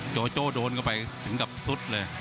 โจโจ้โดนเข้าไปถึงกับซุดเลย